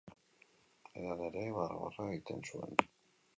Edan ere, barra-barra egiten zuen.